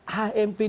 hmp diganti pdip